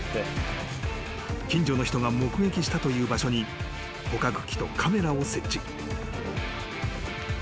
［近所の人が目撃したという場所に捕獲器とカメラを設置］